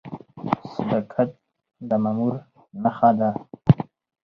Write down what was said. صداقت د مامور نښه ده؟